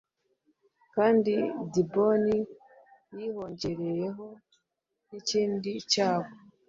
kandi i Diboni hiyongereyeho n’ikindi cyago,